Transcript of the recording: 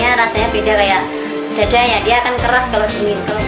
jadi rasanya beda kayak dada ya dia akan keras kalau dingin